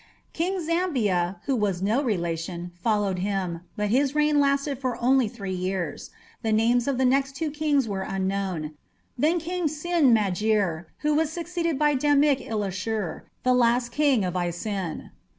King Zambia, who was no relation, followed him, but his reign lasted for only three years. The names of the next two kings are unknown. Then came Sin magir, who was succeeded by Damik ilishu, the last King of Isin.